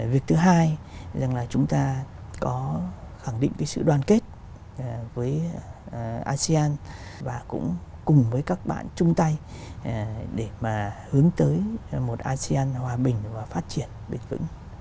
việc thứ hai là chúng ta có khẳng định sự đoàn kết với asean và cũng cùng với các bạn chung tay để mà hướng tới một asean hòa bình và phát triển bền vững